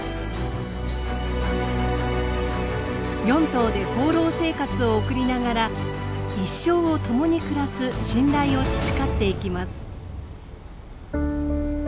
４頭で放浪生活を送りながら一生を共に暮らす信頼を培っていきます。